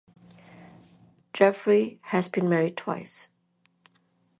Jeffreys has been married twice.